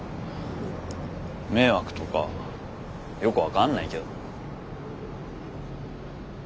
迷惑とかよく分かんないけど。